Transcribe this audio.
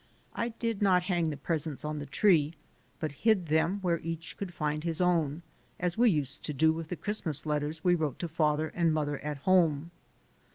I did not hang the presents on the tree but hid them where each could find his own, as we used to do with the Christmas letters we wrote to father and mother at home.